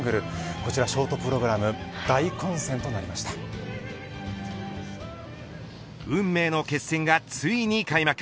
こちら、ショートプログラム運命の決戦がついに開幕。